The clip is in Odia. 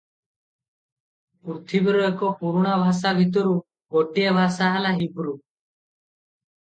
ପୃଥିବୀର ଏକ ପୁରୁଣା ଭାଷା ଭିତରୁ ଗୋଟିଏ ଭାଷା ହେଲା ହିବ୍ରୁ ।